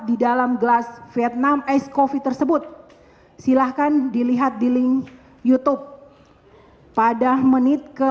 di dalam gelas vietnam es kofi tersebut silahkan dilihat di link youtube pada menit ke delapan belas